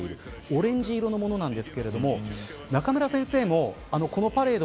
オレンジ色のものなんですけど中村先生もこのパレード